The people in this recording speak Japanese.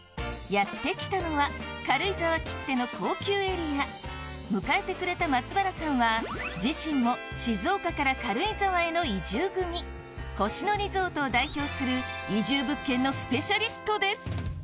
やって来たのは軽井沢きっての高級エリア迎えてくれた松原さんは自身も静岡から軽井沢への移住組星野リゾートを代表する移住物件のスペシャリストです